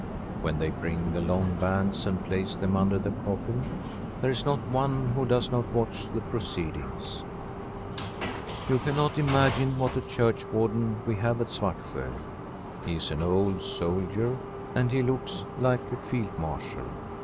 When they bring the long bands and place them under the coffin, there is not one who does not watch the proceedings. You cannot imagine what a churchwarden we have at Svartsjo. He is an old soldier, and he looks like a Field Marshal.